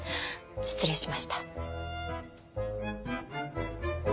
失礼しました。